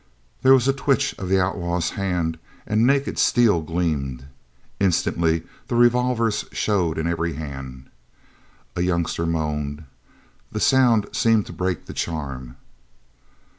There was a twitch of the outlaw's hand and naked steel gleamed. Instantly revolvers showed in every hand. A youngster moaned. The sound seemed to break the charm.